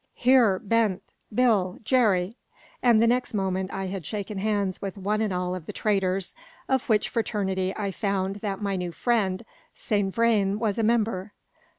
Here, Bent! Bill! Jerry!" And the next moment I had shaken hands with one and all of the traders, of which fraternity I found that my new friend, Saint Vrain, was a member.